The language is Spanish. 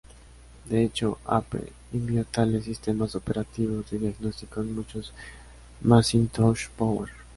De hecho, Apple envió tales "sistemas operativos" de diagnóstico en muchos Macintosh Power.